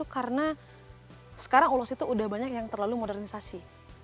karena sekarang ulos itu sudah banyak yang terlalu modernisasi